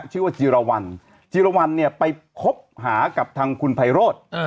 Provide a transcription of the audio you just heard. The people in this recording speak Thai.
ชื่อว่าจีรวรรณจีรวรรณเนี่ยไปคบหากับทางคุณไพโรธ